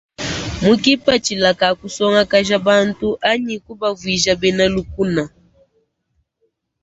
Mu kipatshila ka kusongakaja bantu anyi kubavuija bena lukna.